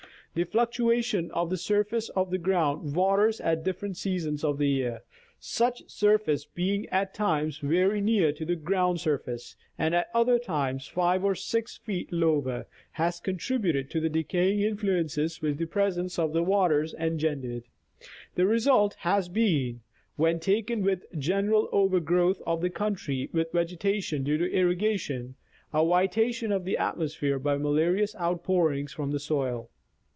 The fluctu ation of the surface of the ground waters at different seasons of the year — such surface being at times very near to the ground surface, and at other times 5 or 6 feet lower — has contributed to the decaying influences which the presence of the waters engen dered. The result has been, when taken with the general over growth of the country with vegetation due to irrigation, a vitia tion of the atmosphere by raalarious outpourings from the soil.